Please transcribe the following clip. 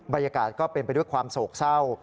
บรรยากาศก็เป็นไปด้วยความโศกเศร้า